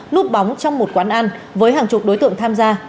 núp bóng trong một quán ăn với hàng chục đối tượng tham gia